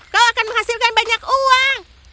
kau akan menghasilkan banyak uang